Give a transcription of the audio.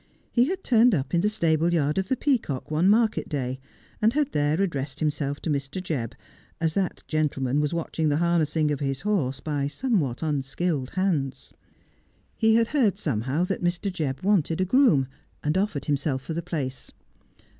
He had turned up in the stable yard of the Peacock one market day, and had there addressed himself to Mr. Jebb, as that gentleman was watching the harnessing of his horse by some what unskilled hands. He had heard somehow that Mr. Jebb wanted a groom, and offered himself for the place.